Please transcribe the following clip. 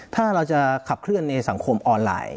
ถ้าเราจะขับเคลื่อนในสังคมออนไลน์